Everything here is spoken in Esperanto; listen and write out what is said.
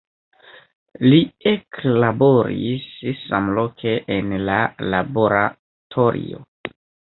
Li eklaboris samloke en la laboratorio.